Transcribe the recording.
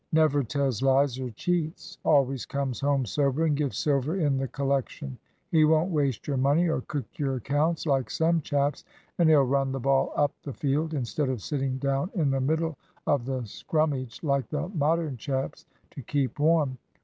Never tells lies, or cheats. Always comes home sober and gives silver in the collection. He won't waste your money or cook your accounts, like some chaps; and he'll run the ball up the field, instead of sitting down in the middle of the scrummage like the Modern chaps to keep warm.